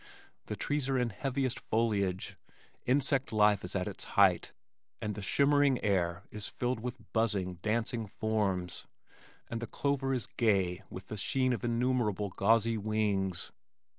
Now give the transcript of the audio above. The trees are in heaviest foliage, insect life is at its height, and the shimmering air is filled with buzzing, dancing forms, and the clover is gay with the sheen of innumerable gauzy wings.